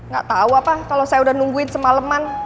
gak tahu apa kalau saya udah nungguin semaleman